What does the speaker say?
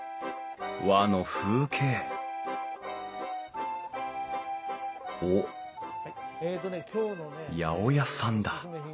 和の風景おっ八百屋さんだ